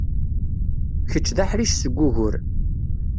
Kečč d aḥric seg wugur.